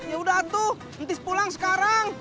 yaudah tuh ntis pulang sekarang